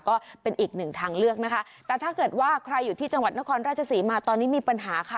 ก็เป็นอีกหนึ่งทางเลือกนะคะแต่ถ้าเกิดว่าใครอยู่ที่จังหวัดนครราชศรีมาตอนนี้มีปัญหาค่ะ